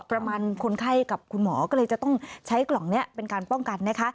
คนไข้กับคุณหมอก็เลยจะต้องใช้กล่องนี้เป็นการป้องกันนะคะ